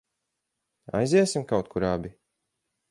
Aiziesim kaut kur abi?